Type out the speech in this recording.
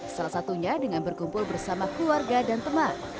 salah satunya dengan berkumpul bersama keluarga dan teman